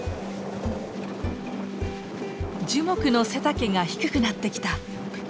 樹木の背丈が低くなってきた。